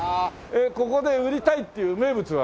ここで売りたいっていう名物は何になるの？